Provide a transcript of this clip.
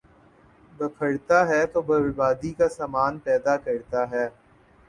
، بپھر تا ہے تو بربادی کا ساماں پیدا کرتا ہے ۔